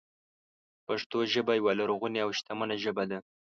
پښتو ژبه یوه لرغونې او شتمنه ژبه ده.